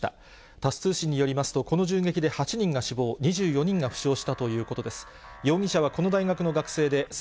タス通信によりますと、この銃撃で８人が死亡、２４人が負傷したということです。